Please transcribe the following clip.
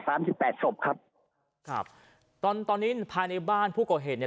สิบแปดศพครับครับตอนตอนนี้ภายในบ้านผู้ก่อเหตุเนี่ย